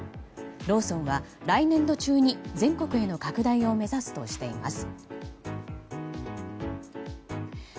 ローソンは来年度中に全国への拡大を目指すとしています。